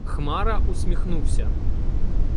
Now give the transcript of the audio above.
Хмара усміхнувся.